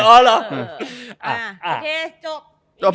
โอเคจบ